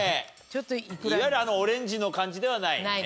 いわゆるオレンジの感じではないね。